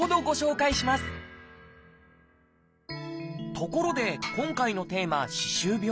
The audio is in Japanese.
ところで今回のテーマ「歯周病」。